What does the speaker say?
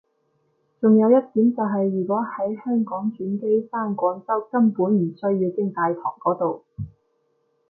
仲有一點就係如果喺香港轉機返廣州根本唔需要經大堂嗰度